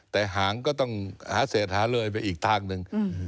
แต่หางก็ต้องหาเศษหาเลยไปอีกทางหนึ่ง